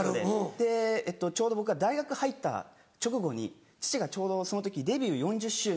でちょうど僕が大学入った直後に父がちょうどその時デビュー４０周年。